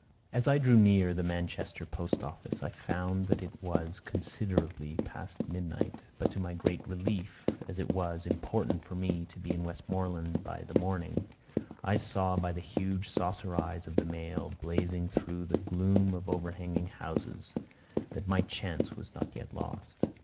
As I drew near to the Manchester post office, I found that it was considerably past midnight; but to my great relief, as it was important for me to be in Westmorland by the morning, I saw by the huge saucer eyes of the mail, blazing through the gloom of overhanging houses, that my chance was not yet lost.